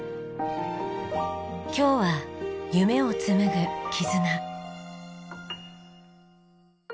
今日は夢を紡ぐ絆。